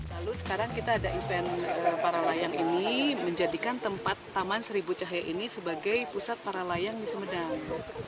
lalu sekarang kita ada event para layang ini menjadikan tempat taman seribu cahaya ini sebagai pusat para layang yang akan menerbangkan para gliding akurasi seris